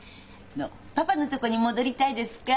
パパのとこに戻りたいですか？